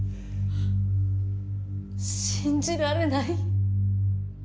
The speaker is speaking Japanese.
信じられない。